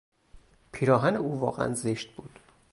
پیراهن او واقعا زشت بود.